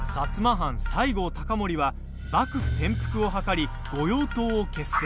藩・西郷隆盛は幕府転覆を謀り御用盗を結成。